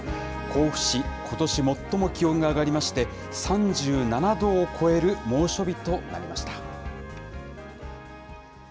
甲府市、ことし最も気温が上がりまして、３７度を超える猛暑日となりました。